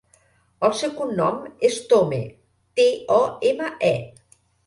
El seu cognom és Tome: te, o, ema, e.